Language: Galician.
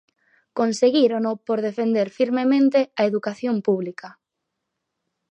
Conseguírono por defender firmemente a educación pública.